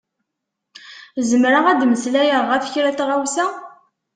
Zemreɣ ad d-meslayeɣ ɣef kra n tɣawsa?